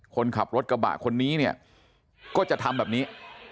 คนขับรถกระบะคนนี้เนี่ยก็จะทำแบบนี้